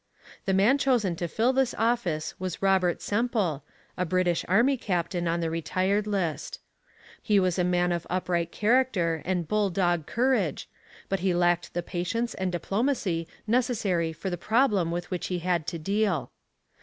The man chosen to fill this office was Robert Semple, a British army captain on the retired list. He was a man of upright character and bull dog courage, but he lacked the patience and diplomacy necessary for the problem with which he had to deal.